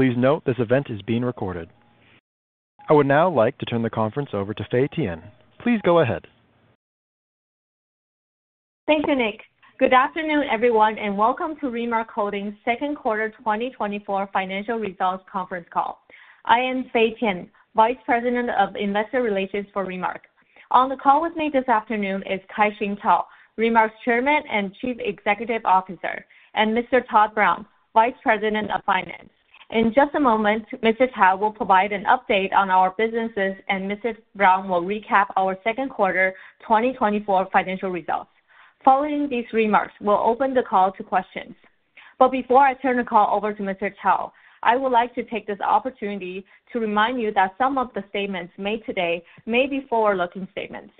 Please note, this event is being recorded. I would now like to turn the conference over to Fay Tian. Please go ahead. Thank you, Nick. Good afternoon, everyone, and welcome to Remark Holdings' second quarter twenty twenty-four financial results conference call. I am Fay Tian, Vice President of Investor Relations for Remark. On the call with me this afternoon is Shing Tao, Remark's Chairman and Chief Executive Officer, and Mr. Todd Brown, Vice President of Finance. In just a moment, Mr. Tao will provide an update on our businesses, and Mr. Brown will recap our second quarter twenty twenty-four financial results. Following these remarks, we'll open the call to questions. But before I turn the call over to Mr. Tao, I would like to take this opportunity to remind you that some of the statements made today may be forward-looking statements.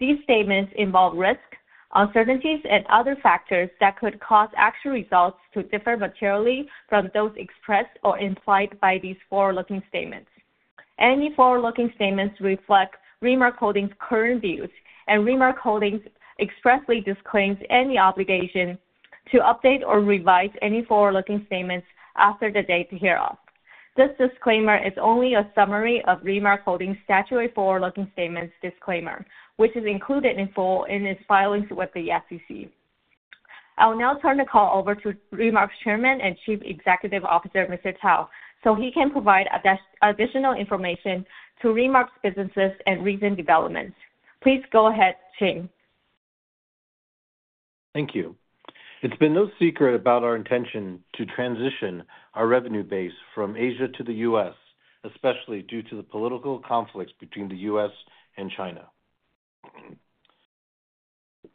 These statements involve risks, uncertainties, and other factors that could cause actual results to differ materially from those expressed or implied by these forward-looking statements. Any forward-looking statements reflect Remark Holdings' current views, and Remark Holdings expressly disclaims any obligation to update or revise any forward-looking statements after the date hereof. This disclaimer is only a summary of Remark Holdings' statutory forward-looking statements disclaimer, which is included in full in its filings with the SEC. I'll now turn the call over to Remark's Chairman and Chief Executive Officer, Mr. Tao, so he can provide additional information to Remark's businesses and recent developments. Please go ahead, Shing. Thank you. It's been no secret about our intention to transition our revenue base from Asia to the U.S., especially due to the political conflicts between the U.S. and China.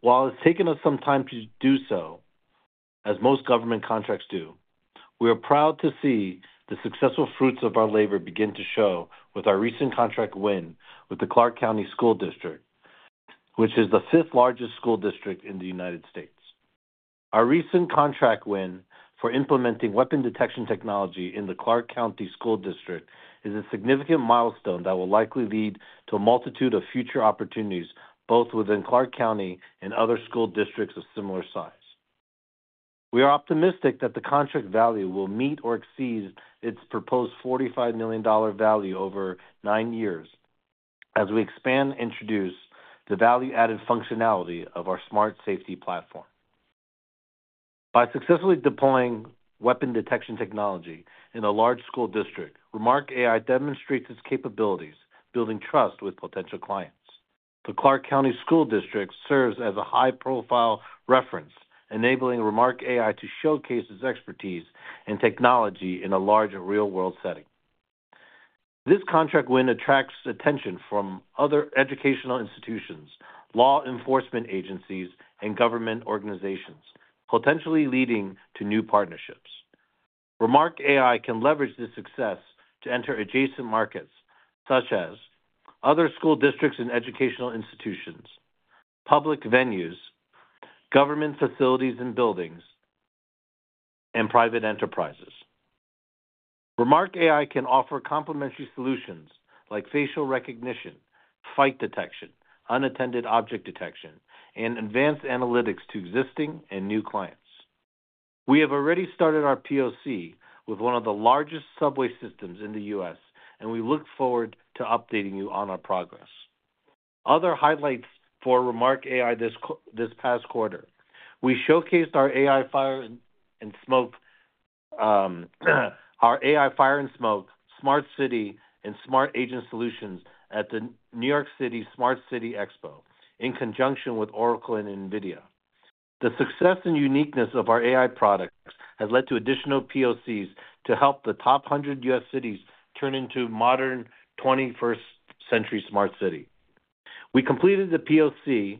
While it's taken us some time to do so, as most government contracts do, we are proud to see the successful fruits of our labor begin to show with our recent contract win with the Clark County School District, which is the fifth-largest school district in the United States. Our recent contract win for implementing weapon detection technology in the Clark County School District is a significant milestone that will likely lead to a multitude of future opportunities, both within Clark County and other school districts of similar size. We are optimistic that the contract value will meet or exceed its proposed $45 million value over nine years as we expand and introduce the value-added functionality of our Smart Safety Platform. By successfully deploying weapon detection technology in a large school district, Remark AI demonstrates its capabilities, building trust with potential clients. The Clark County School District serves as a high-profile reference, enabling Remark AI to showcase its expertise and technology in a large, real-world setting. This contract win attracts attention from other educational institutions, law enforcement agencies, and government organizations, potentially leading to new partnerships. Remark AI can leverage this success to enter adjacent markets such as other school districts and educational institutions, public venues, government facilities and buildings, and private enterprises. Remark AI can offer complementary solutions like facial recognition, fight detection, unattended object detection, and advanced analytics to existing and new clients. We have already started our POC with one of the largest subway systems in the U.S., and we look forward to updating you on our progress. Other highlights for Remark AI this past quarter: We showcased our AI fire and smoke, smart city, and smart agent solutions at the New York City Smart City Expo in conjunction with Oracle and NVIDIA. The success and uniqueness of our AI products has led to additional POCs to help the top 100 U.S. cities turn into modern twenty-first century smart city. We completed the POC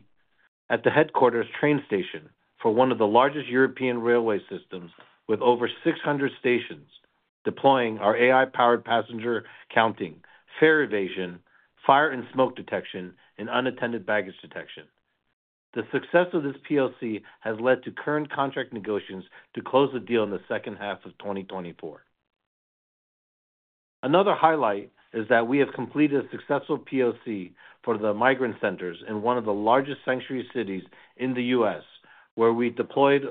at the headquarters train station for one of the largest European railway systems with over 600 stations, deploying our AI-powered passenger counting, fare evasion, fire and smoke detection, and unattended baggage detection. The success of this POC has led to current contract negotiations to close the deal in the second half of 2024. Another highlight is that we have completed a successful POC for the migrant centers in one of the largest sanctuary cities in the U.S., where we deployed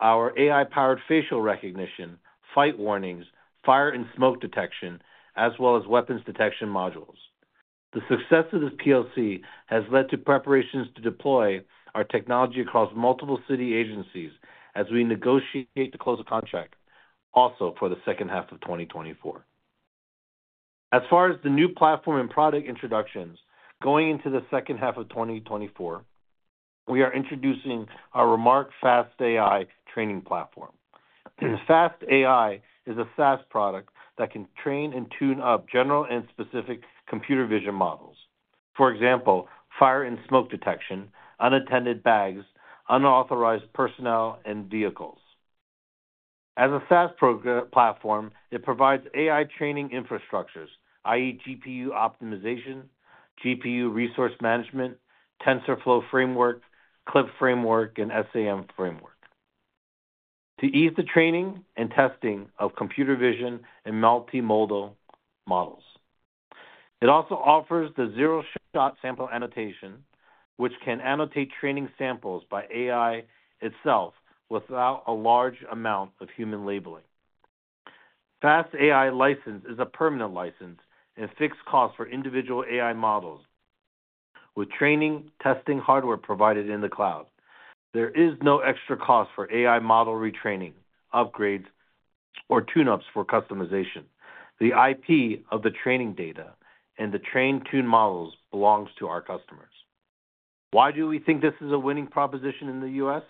our AI-powered facial recognition, fight warnings, fire and smoke detection, as well as weapons detection modules. The success of this POC has led to preparations to deploy our technology across multiple city agencies as we negotiate to close a contract also for the second half of 2024. As far as the new platform and product introductions, going into the second half of 2024, we are introducing our Remark FastAI training platform. FastAI is a SaaS product that can train and tune up general and specific computer vision models. For example, fire and smoke detection, unattended bags, unauthorized personnel, and vehicles. As a SaaS platform, it provides AI training infrastructures, i.e., GPU optimization, GPU resource management, TensorFlow framework, CLIP framework, and SAM framework to ease the training and testing of computer vision and multimodal models. It also offers the zero-shot sample annotation, which can annotate training samples by AI itself without a large amount of human labeling. FastAI license is a permanent license and a fixed cost for individual AI models, with training, testing, hardware provided in the cloud. There is no extra cost for AI model retraining, upgrades, or tune-ups for customization. The IP of the training data and the trained tune models belongs to our customers. Why do we think this is a winning proposition in the U.S.?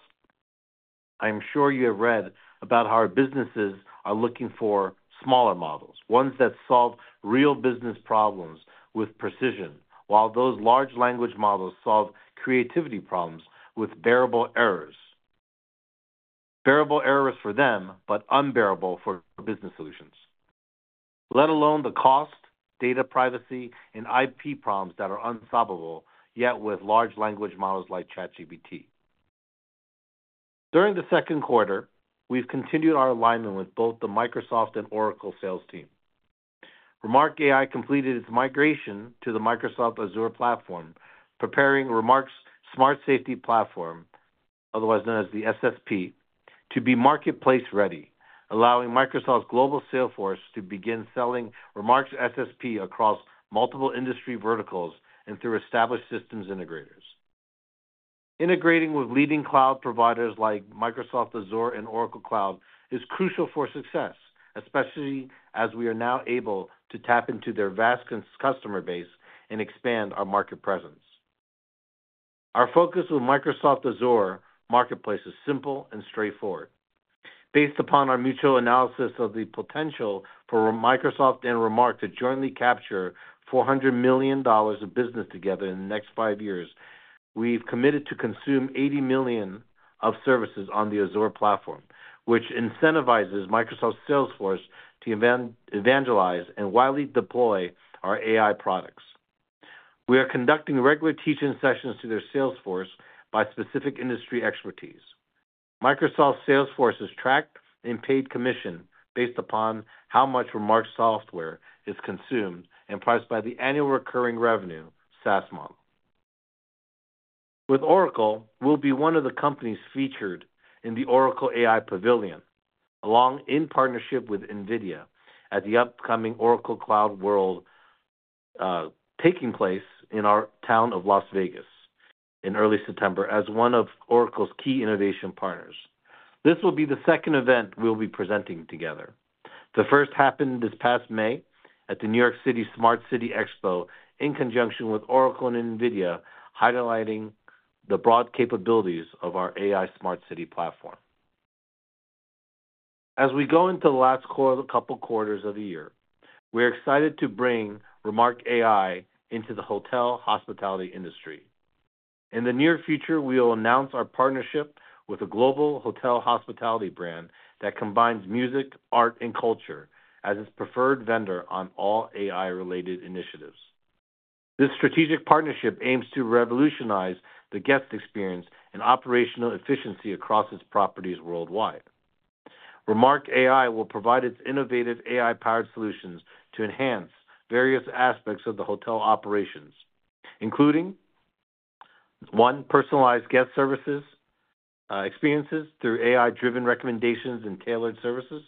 I'm sure you have read about how our businesses are looking for smaller models, ones that solve real business problems with precision, while those large language models solve creativity problems with bearable errors. Bearable errors for them, but unbearable for business solutions. Let alone the cost, data privacy, and IP problems that are unsolvable, yet with large language models like ChatGPT. During the second quarter, we've continued our alignment with both the Microsoft and Oracle sales team. Remark AI completed its migration to the Microsoft Azure platform, preparing Remark's Smart Safety Platform, otherwise known as the SSP, to be marketplace-ready, allowing Microsoft's global sales force to begin selling Remark's SSP across multiple industry verticals and through established systems integrators. Integrating with leading cloud providers like Microsoft Azure and Oracle Cloud is crucial for success, especially as we are now able to tap into their vast customer base and expand our market presence. Our focus with Microsoft Azure marketplace is simple and straightforward. Based upon our mutual analysis of the potential for Microsoft and Remark to jointly capture $400 million of business together in the next five years, we've committed to consume $80 million of services on the Azure platform, which incentivizes Microsoft's sales force to evangelize and widely deploy our AI products. We are conducting regular teach-in sessions to their sales force by specific industry expertise. Microsoft's sales force is tracked and paid commission based upon how much Remark software is consumed and priced by the annual recurring revenue SaaS model. With Oracle, we'll be one of the companies featured in the Oracle AI Pavilion, along in partnership with NVIDIA, at the upcoming Oracle CloudWorld, taking place in our town of Las Vegas in early September, as one of Oracle's key innovation partners. This will be the second event we'll be presenting together. The first happened this past May at the New York City Smart City Expo, in conjunction with Oracle and NVIDIA, highlighting the broad capabilities of our AI Smart City platform. As we go into the last couple quarters of the year, we're excited to bring Remark AI into the hotel hospitality industry. In the near future, we'll announce our partnership with a global hotel hospitality brand that combines music, art, and culture as its preferred vendor on all AI-related initiatives. This strategic partnership aims to revolutionize the guest experience and operational efficiency across its properties worldwide. Remark AI will provide its innovative AI-powered solutions to enhance various aspects of the hotel operations, including, one, personalized guest services, experiences through AI-driven recommendations and tailored services.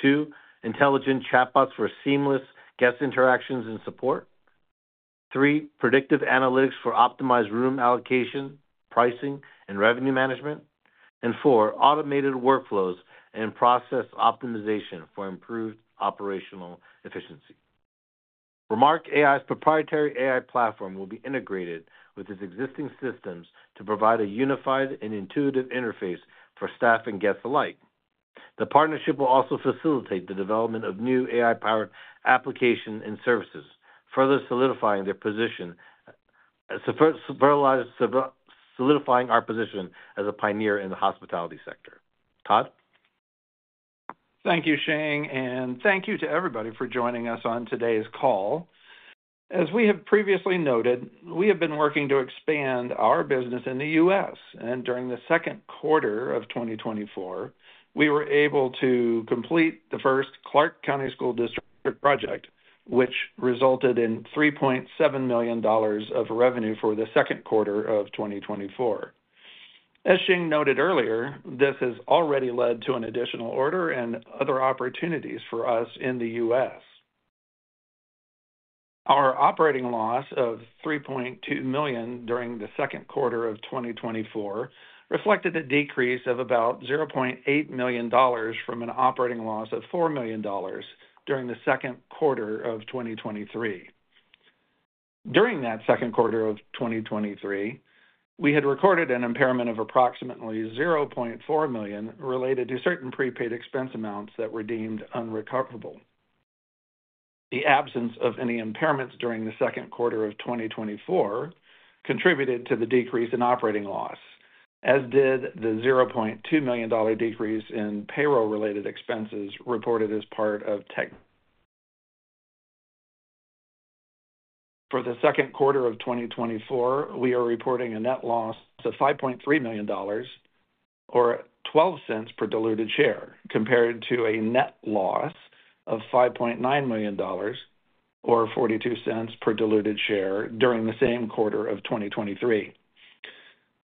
Two, intelligent chatbots for seamless guest interactions and support. Three, predictive analytics for optimized room allocation, pricing, and revenue management. And four, automated workflows and process optimization for improved operational efficiency. Remark AI's proprietary AI platform will be integrated with its existing systems to provide a unified and intuitive interface for staff and guests alike. The partnership will also facilitate the development of new AI-powered application and services, further solidifying our position as a pioneer in the hospitality sector. Todd? Thank you, Shing, and thank you to everybody for joining us on today's call. As we have previously noted, we have been working to expand our business in the U.S., and during the second quarter of 2024, we were able to complete the first Clark County School District project, which resulted in $3.7 million of revenue for the second quarter of 2024. As Shing noted earlier, this has already led to an additional order and other opportunities for us in the U.S. Our operating loss of $3.2 million during the second quarter of 2024 reflected a decrease of about $0.8 million from an operating loss of $4 million during the second quarter of 2023. During that second quarter of 2023, we had recorded an impairment of approximately $0.4 million, related to certain prepaid expense amounts that were deemed unrecoverable. The absence of any impairments during the second quarter of 2024 contributed to the decrease in operating loss, as did the $0.2 million decrease in payroll-related expenses reported as part of tech. For the second quarter of 2024, we are reporting a net loss of $5.3 million or 12 cents per diluted share, compared to a net loss of $5.9 million, or 42 cents per diluted share during the same quarter of 2023.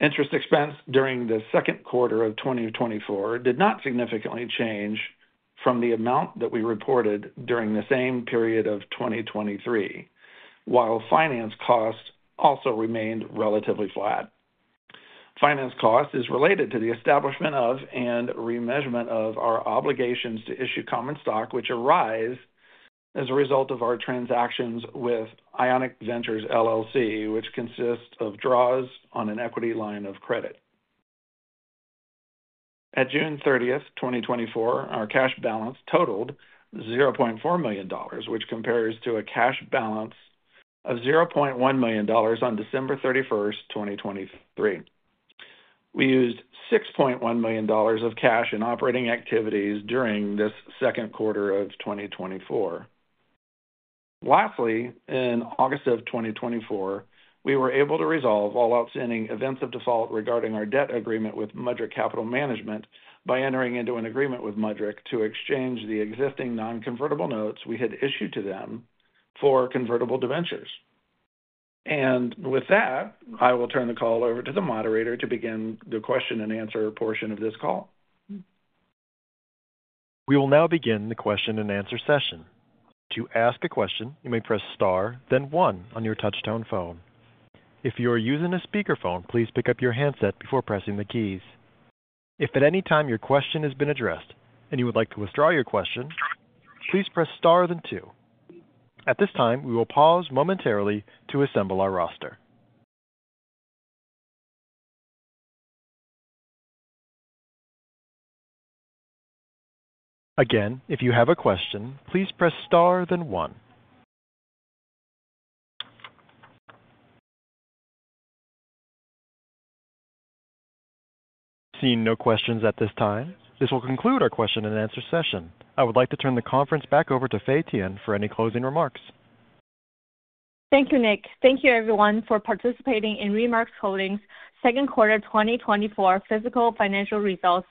Interest expense during the second quarter of 2024 did not significantly change from the amount that we reported during the same period of 2023, while finance costs also remained relatively flat. Finance cost is related to the establishment of and remeasurement of our obligations to issue common stock, which arise as a result of our transactions with Ionic Ventures LLC, which consists of draws on an equity line of credit. At June thirtieth, 2024, our cash balance totaled $0.4 million, which compares to a cash balance of $0.1 million on December thirty-first, 2023. We used $6.1 million of cash in operating activities during this second quarter of 2024. Lastly, in August of 2024, we were able to resolve all outstanding events of default regarding our debt agreement with Mudrick Capital Management by entering into an agreement with Mudrick to exchange the existing non-convertible notes we had issued to them for convertible debentures. With that, I will turn the call over to the moderator to begin the question and answer portion of this call. We will now begin the question and answer session. To ask a question, you may press star, then one on your touchtone phone. If you are using a speakerphone, please pick up your handset before pressing the keys. If at any time your question has been addressed and you would like to withdraw your question, please press star, then two. At this time, we will pause momentarily to assemble our roster. Again, if you have a question, please press star, then one. Seeing no questions at this time, this will conclude our question and answer session. I would like to turn the conference back over to Faye Tian for any closing remarks. Thank you, Nick. Thank you everyone for participating in Remark Holdings' second quarter twenty twenty-four fiscal financial results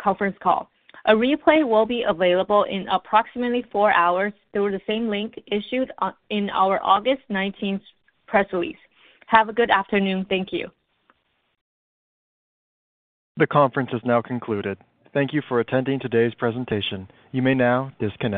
conference call. A replay will be available in approximately four hours through the same link issued in our August nineteenth press release. Have a good afternoon. Thank you. The conference is now concluded. Thank you for attending today's presentation. You may now disconnect.